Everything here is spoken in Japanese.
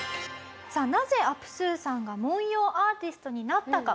なぜアプスーさんが文様アーティストになったか。